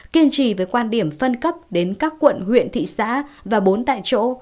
kiên trì với quan điểm phân cấp đến các quận huyện thị xã và bốn tại chỗ